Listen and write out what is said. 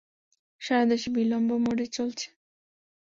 সারা দেশে বিলম্ব মোডে চলছে?